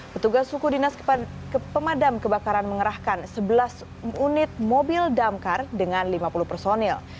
petugas suku dinas pemadam kebakaran mengerahkan sebelas unit mobil damkar dengan lima puluh personil